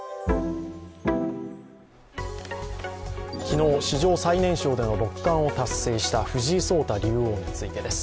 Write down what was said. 昨日、史上最年少での六冠を達成した藤井聡太竜王についてです。